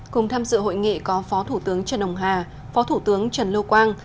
cùng tham dự hội nghị có phó thủ tướng trần ông hà phó thủ tướng trần lưu quang